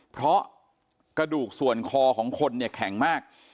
เพราะกระดูกส่วนคอของคนเนี่ยแข็งมาก